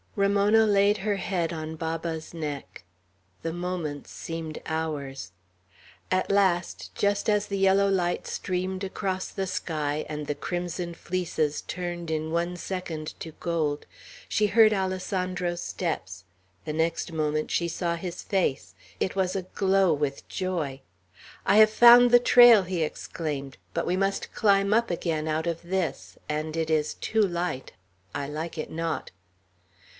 Ramona laid her head on Baba's neck. The moments seemed hours. At last, just as the yellow light streamed across the sky, and the crimson fleeces turned in one second to gold, she heard Alessandro's steps, the next moment saw his face. It was aglow with joy. "I have found the trail!" he exclaimed; "but we must climb up again out of this; and it is too light. I like it not."